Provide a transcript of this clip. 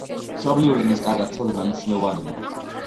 მშობლიური ენის კარგად ცოდნა მნიშვნელოვანია